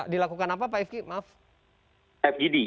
dilakukan apa pak fgd